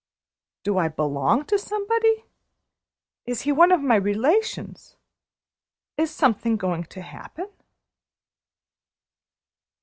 Do I belong to somebody? Is he one of my relations? Is something going to happen?"